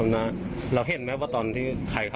เราได้ยินเสียงอะไรก่อนไหมก่อนที่ได้เจอ